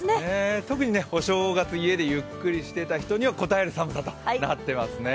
特にお正月家でゆっくりしてた人にはこたえる寒さとなっていますね。